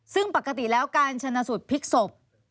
ซึ่งปกติแล้วการชนะสูตรพลิกศพ